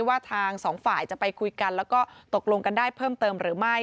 ว่าทางสองฝ่ายจะไปคุยกันแล้วก็ตกลงกันได้เพิ่มเติมหรือไม่